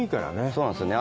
そうなんですよね。